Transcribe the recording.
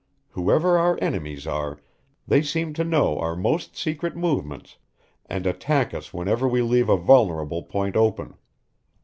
Whoever our enemies are, they seem to know our most secret movements, and attack us whenever we leave a vulnerable point open.